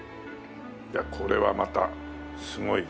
いやこれはまたすごい。